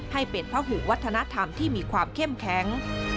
ให้เป็นพระหุวัฒนธรรมที่มีความเข้มแข็ง